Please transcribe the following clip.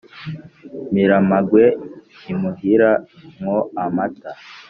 miramagwe imwuhira mwo amata